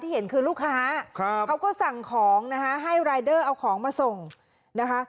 เห็นคือลูกค้าเขาก็สั่งของนะคะให้รายเดอร์เอาของมาส่งนะคะ